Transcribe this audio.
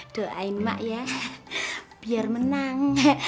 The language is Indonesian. doain mak ya biar menang